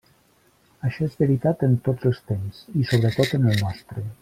Això és veritat en tots els temps, i sobretot en el nostre.